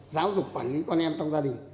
giáo dục quản lý con em trong gia đình